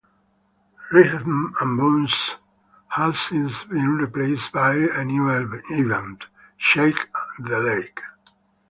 Rhythm and Booms has since been replaced by a new event, Shake the Lake.